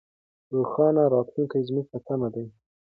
روښانه راتلونکی زموږ په تمه دی.